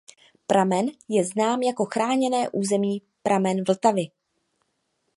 Pramen je znám jako chráněné území Pramen Vltavy.